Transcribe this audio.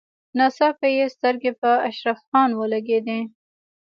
ناڅاپه يې سترګې په اشرف خان ولګېدې.